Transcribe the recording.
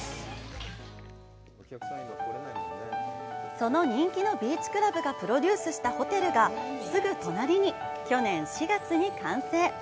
その人気のビーチクラブがプロデュースしたホテルが、すぐ隣に去年４月に完成。